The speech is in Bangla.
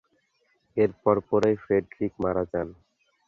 এর পরপরই ফ্রেডরিক মারা যান।